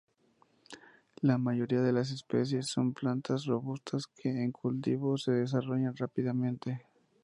La mayoría de las especies son plantas robustas que en cultivo se desarrollan rápidamente.